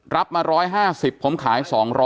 เฮ้ยเฮ้ยเฮ้ย